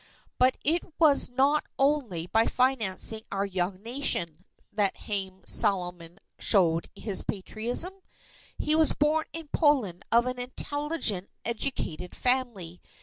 But it was not only by financing our young Nation, that Haym Salomon showed his Patriotism. He was born in Poland of an intelligent educated family.